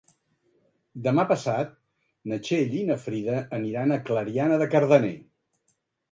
Demà passat na Txell i na Frida aniran a Clariana de Cardener.